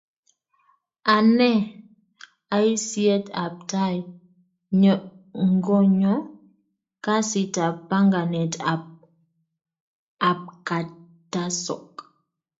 anee ai siyet ap tai ngonyo kasit ap panganet ap kartasok